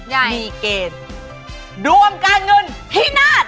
มีเกณฑ์ดวงการเงินพินาศ